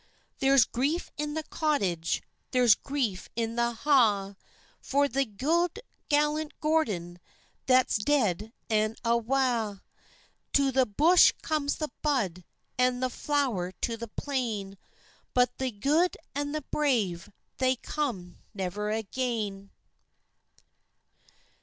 '" There's grief in the cottage, There's grief in the ha', For the gude, gallant Gordon That's dead an' awa'. To the bush comes the bud, An' the flower to the plain, But the gude and the brave They come never again.